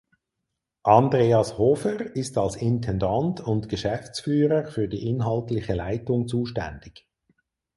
Andreas Hofer ist als Intendant und Geschäftsführer für die inhaltliche Leitung zuständig.